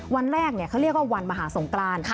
วันแรกเขาเรียกว่าวันมหาสงกราน